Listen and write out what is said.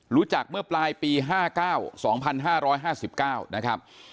รู้จักเมื่อปลายปี๕๙๒๕๕๙นะครับ